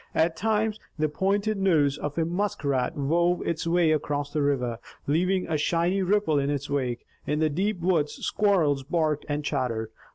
At times, the pointed nose of a muskrat wove its way across the river, leaving a shining ripple in its wake. In the deep woods squirrels barked and chattered.